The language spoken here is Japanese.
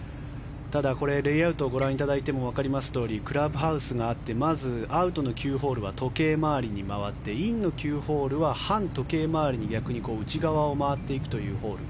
ただ、これ、レイアウトをご覧いただいてもわかりますようにクラブハウスがあってまずアウトの９ホールは時計回りに回ってインの９ホールは反時計回りに内側を回っていくホール。